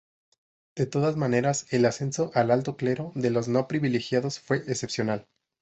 De todas maneras, el ascenso al alto clero de los no privilegiados fue excepcional.